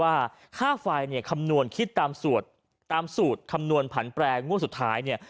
ว่าค่าไฟคำนวณคิดตามสูตรคำนวณผันแปลงวดสุดท้าย